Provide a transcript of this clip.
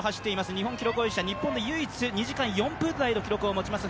日本記録保持者、日本で唯一２時間４分台の記録を持ちます